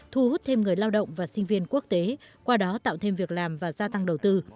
thu hút thêm người lao động và sinh viên quốc tế qua đó tạo thêm việc làm và gia tăng đầu tư